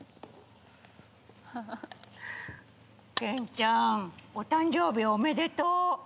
ちゃーんお誕生日おめでとう。